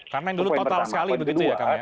karena yang dulu total sekali begitu ya kang ya